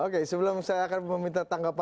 oke sebelum saya akan meminta tanggapan